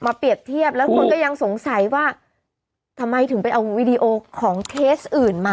เปรียบเทียบแล้วคนก็ยังสงสัยว่าทำไมถึงไปเอาวีดีโอของเคสอื่นมา